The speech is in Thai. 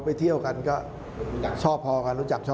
ที่ถึงมาร่วมก่อเหตุหรือว่าร่วมรู้เหตุ